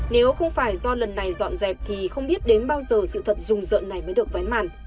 nếu không phải do lần này dọn dẹp thì không biết đến bao giờ sự thật rùng rợn này mới được vén màn